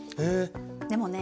でもね